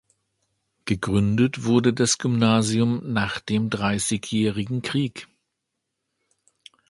Gegründet wurde das Gymnasium nach dem Dreißigjährigen Krieg.